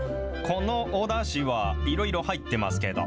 このおだしはいろいろ入ってますけど。